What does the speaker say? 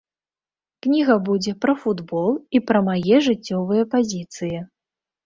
Кніга будзе пра футбол і пра мае жыццёвыя пазіцыі.